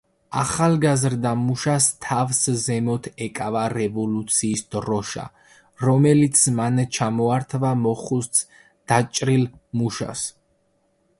ახალგაზრდა მუშას თავს ზემოთ ეკავა რევოლუციის დროშა, რომელიც მან ჩამოართვა მოხუც დაჭრილ მუშას.